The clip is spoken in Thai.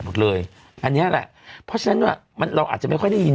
หมดเลยอันเนี้ยแหละเพราะฉะนั้นอ่ะมันเราอาจจะไม่ค่อยได้ยิน